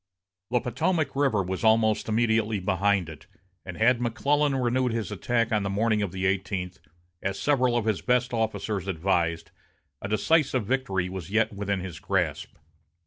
The Potomac River was almost immediately behind it, and had McClellan renewed his attack on the morning of the eighteenth, as several of his best officers advised, a decisive victory was yet within his grasp.